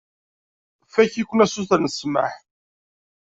Fakk-iken asuter n ssmaḥ.